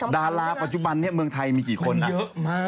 ดาราปัจจุบันนี้แม่งไทยมีกี่คนอ่ะ